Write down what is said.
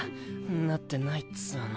なってないっつぅの。